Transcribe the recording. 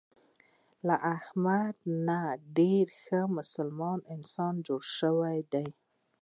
له احمد نه ډېر ښه مسلمان انسان جوړ شوی دی.